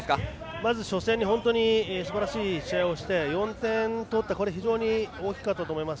まず初戦に本当にすばらしい試合をして４点取って非常に大きかったと思います。